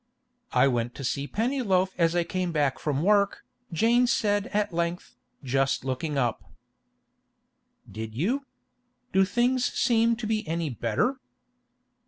'I went to see Pennyloaf as I came back from work,' Jane said at length, just looking up. 'Did you? Do things seem to be any better?